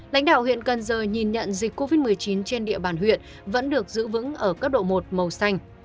lãnh đạo huyện cần giờ nhìn nhận dịch covid một mươi chín trên địa bàn huyện vẫn được giữ vững ở cấp độ một màu xanh